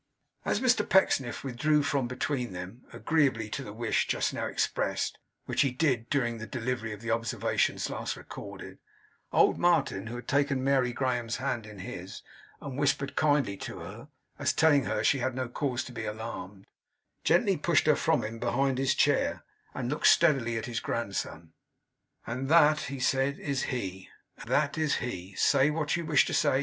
As Mr Pecksniff withdrew from between them, agreeably to the wish just now expressed (which he did during the delivery of the observations last recorded), old Martin, who had taken Mary Graham's hand in his, and whispered kindly to her, as telling her she had no cause to be alarmed, gently pushed her from him, behind his chair; and looked steadily at his grandson. 'And that,' he said, 'is he. Ah! that is he! Say what you wish to say.